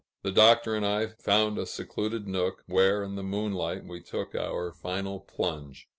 The Doctor and I found a secluded nook, where in the moonlight we took our final plunge.